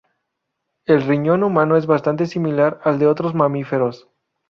El riñón humano es bastante similar al de otros mamíferos.